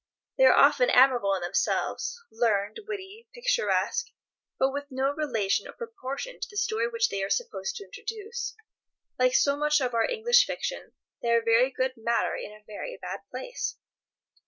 They are often admirable in themselves, learned, witty, picturesque, but with no relation or proportion to the story which they are supposed to introduce. Like so much of our English fiction, they are very good matter in a very bad place.